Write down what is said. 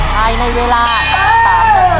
ภายในเวลา๓นาที